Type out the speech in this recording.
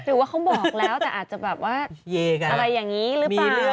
หรือว่าเขาบอกแล้วแต่อาจจะแบบว่าอะไรอย่างนี้หรือเปล่า